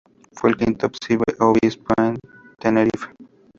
Fue el quinto obispo de Tenerife.